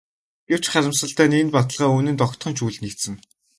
Гэвч харамсалтай нь энэ баталгаа үнэнд огтхон ч үл нийцнэ.